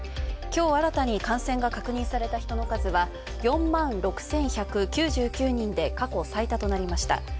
きょう新たに感染が確認された人の数は４万６１９９人で、過去最多となりました。